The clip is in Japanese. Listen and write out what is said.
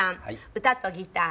歌とギター。